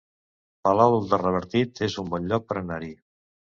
Palol de Revardit es un bon lloc per anar-hi